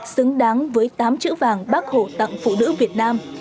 xứng đáng với tám chữ vàng bác hổ tặng phụ nữ việt nam